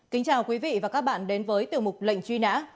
kính chào quý vị và các bạn đến với tiểu mục lệnh truy nã